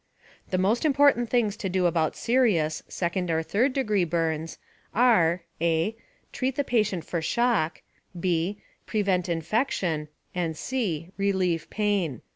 The most important things to do about serious (second or third degree) burns are: (a) Treat the patient for shock, (b) Prevent infection, and (c) Relieve pain.